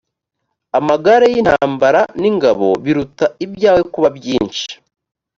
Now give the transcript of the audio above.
amagare y’intambara n’ingabo biruta ibyawe kuba byinshi,